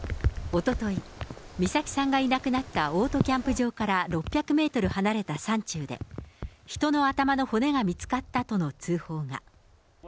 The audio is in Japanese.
おととい、美咲さんがいなくなったオートキャンプ場から６００メートル離れた山中で、人の頭の骨が見つかったとの通報が。